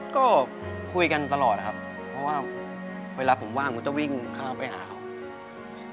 ก็คุยกันตลอดครับเพราะว่าเวลาผมว่างผมจะวิ่งเข้าไปหาเขา